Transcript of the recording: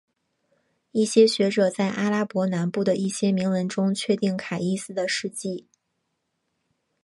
一些学者在阿拉伯南部的一些铭文中确定卡伊斯的事迹。